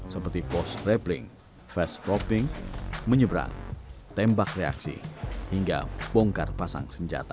seperti pos rappling fast proping menyeberang tembak reaksi hingga bongkar pasang senjata